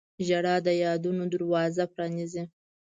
• ژړا د یادونو دروازه پرانیزي.